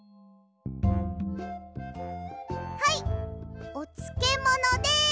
はいおつけものです。